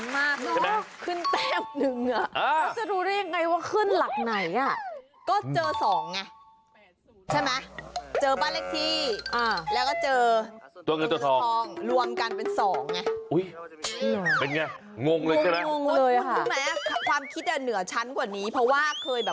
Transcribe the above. มีคุณครอบครัวคุณป้าเหนือชั้นมาก